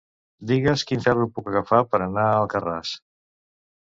Digues quin ferro puc agafar per anar a Alcarràs.